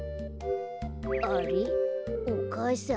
あれっお母さん？